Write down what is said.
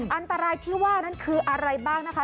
อันตรายที่ว่านั้นคืออะไรบ้างนะคะ